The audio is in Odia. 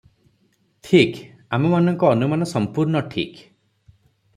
ଠିକ୍ ଆମ ମାନଙ୍କ ଅନୁମାନ ସମ୍ପୂର୍ଣ୍ଣ ଠିକ୍ ।